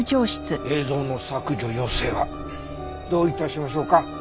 映像の削除要請はどういたしましょうか？